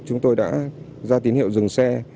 chúng tôi đã ra tín hiệu dừng xe